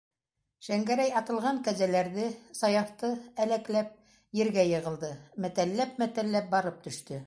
Шәңгәрәй «атылған» кәзәләрҙе, Саяфты әләкләп ергә йығылды, мәтәлләп-мәтәлләп барып төштө.